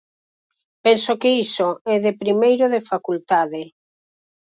Penso que iso é de primeiro de facultade.